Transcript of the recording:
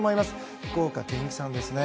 福岡堅樹さんですね。